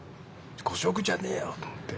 「誤植じゃねえよ！」と思って。